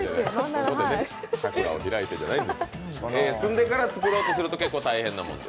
住んでから作ろうとすると結構大変です。